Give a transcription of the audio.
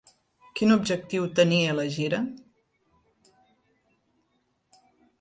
Quin objectiu tenia la gira?